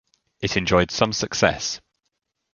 It enjoyed some success.